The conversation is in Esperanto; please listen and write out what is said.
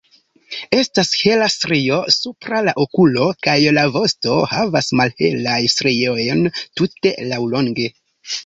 Estas hela strio supra la okulo kaj la vosto havas malhelajn striojn tute laŭlonge.